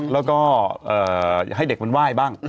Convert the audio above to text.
แล้วก็ให้เด็กมันไหว้บ้าง